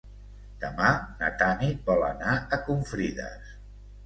Demà na Tanit vol anar a Confrides.